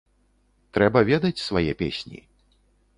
Трэба ведаць свае песні.